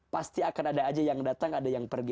pasti akan ada aja yang datang ada yang pergi